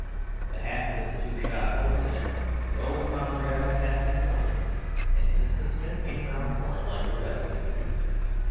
The hat with the two shot holes in it rolled upon the gravel path before him, and Innocent Smith came round the corner like a railway train.